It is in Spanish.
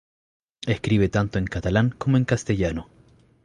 Escribe tanto en catalán como en castellano.